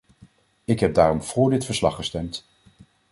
Ik heb daarom voor dit verslag gestemd.